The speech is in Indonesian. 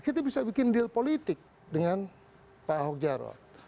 kita bisa bikin deal politik dengan pak ahok jarot